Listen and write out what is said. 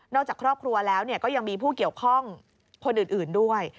จากครอบครัวแล้วก็ยังมีผู้เกี่ยวข้องคนอื่นด้วย